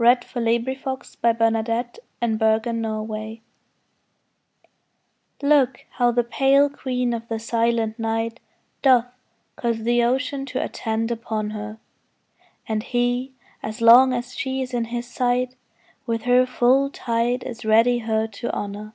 O P . Q R . S T . U V . W X . Y Z A Sonnet of the Moon LOOK how the pale queen of the silent night Doth cause the ocean to attend upon her, And he, as long as she is in his sight, With her full tide is ready her to honor.